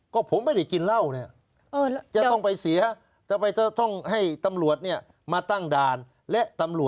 ก็ผมไม่ได้กินเราเนี่ยจะต้องไปเสียเออ